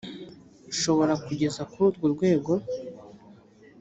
shobora kugeza kuri urwo rwego